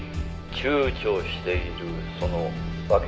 「躊躇しているその訳は？」